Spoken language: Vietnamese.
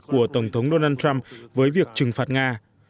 của tổng thống donald trump với việc trừng phạt nga